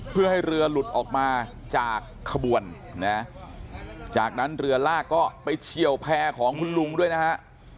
เพื่อให้เรือหลุดออกมาจากขบวนนะจากนั้นเรือลากก็ไปเฉียวแพร่ของคุณลุงด้วยนะฮะ